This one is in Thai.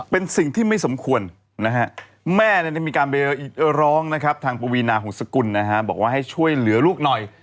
เป็นสิ่งที่ไม่สมควรแม่ก็มีการไปร้องทางประวีนาของกฏศกุลบอกว่าให้ช่วยเหลือลูกหน่อย